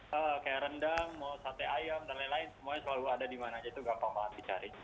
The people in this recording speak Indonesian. kalau kayak rendang mau sate ayam dan lain lain semuanya selalu ada dimana aja itu gampang banget dicari